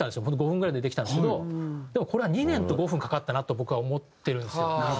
本当５分ぐらいでできたんですけどでもこれは２年と５分かかったなと僕は思ってるんですよ。